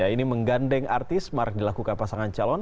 ini menggandeng artis marak dilakukan pasangan calon